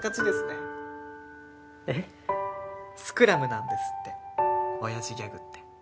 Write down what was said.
スクラムなんですって親父ギャグって。